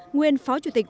nguyên phó chủ tịch